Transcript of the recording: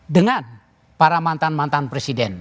dengan para mantan mantan presiden